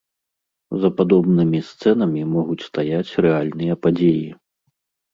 За падобнымі сцэнамі могуць стаяць рэальныя падзеі.